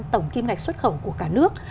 trên ba mươi tổng kim ngạch xuất khẩu của cả nước